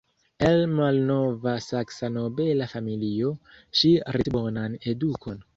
El malnova Saksa nobela familio, ŝi ricevis bonan edukon.